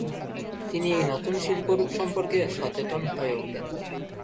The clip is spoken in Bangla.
তিনি এই নতুন শিল্পরূপ সম্পর্কে সচেতন হয়ে ওঠেন।